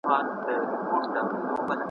شېبه وروسته په توند باد کي ورکېده دي `